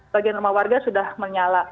bagian rumah warga sudah menyala